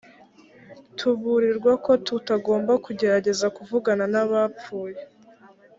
tuburirwa ko tutagomba kugerageza kuvugana n abapfuye